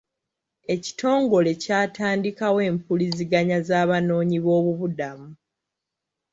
Ekitongole kyatandikawo empuliziganya z'abanoonyi boobubudamu.